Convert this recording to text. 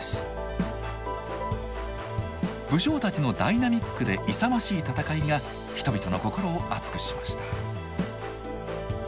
武将たちのダイナミックで勇ましい戦いが人々の心を熱くしました。